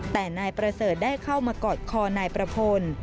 แต่นายประเสริฐได้เข้ามากอดคอนายประพล